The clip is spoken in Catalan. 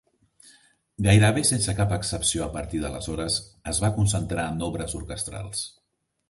Gairebé sense cap excepció a partir d'aleshores, es va concentrar en obres orquestrals.